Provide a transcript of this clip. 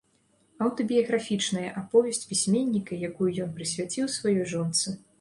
Аўтабіяграфічная аповесць пісьменніка, якую ён прысвяціў сваёй жонцы.